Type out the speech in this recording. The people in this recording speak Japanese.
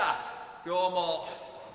今日も。